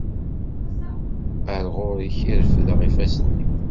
Ar ɣur-k i refdeɣ ifassen-iw.